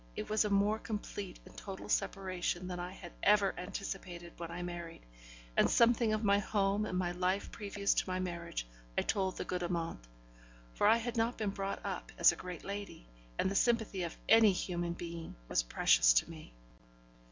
It was a more complete and total separation than I had ever anticipated when I married, and something of my home and of my life previous to my marriage I told the good Amante; for I had not been brought up as a great lady, and the sympathy of any human being was precious to me.